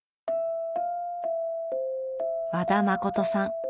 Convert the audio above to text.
和田誠さん。